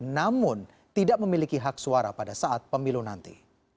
namun tidak memiliki hak suara pada saat pemilu nanti